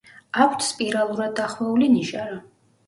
აქვთ სპირალურად დახვეული ნიჟარა.